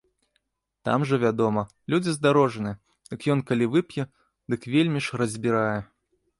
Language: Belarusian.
Там жа, вядома, людзі здарожаныя, дык ён калі вып'е, дык вельмі ж разбірае.